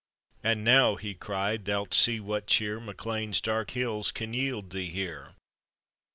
"And now," he cried, "thou'lt see what cheer Mae Lean's dark hills can yield thee here.